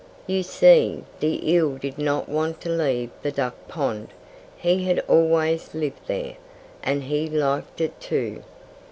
You see, the eel did not want to leave the duck pond. He had always lived there, and he liked it, too.